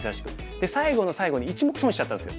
で最後の最後に１目損しちゃったんですよ。